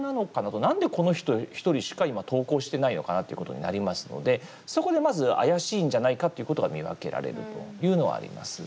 何でこの人１人しか今投稿してないのかなっていうことになりますのでそこでまず怪しいんじゃないかということが見分けられるというのはあります。